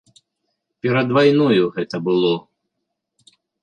Перад вайною гэта было.